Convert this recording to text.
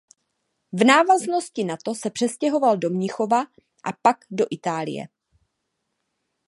V návaznosti na to se přestěhoval do Mnichova a pak do Itálie.